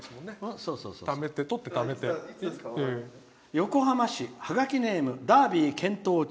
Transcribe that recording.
横浜市、ハガキネームダービー健闘中。